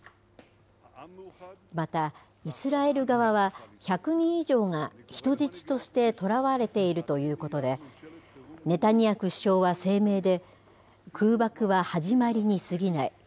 また、イスラエル側は、１００人以上が人質として捕らわれているということで、ネタニヤフ首相は声明で、空爆は始まりにすぎない。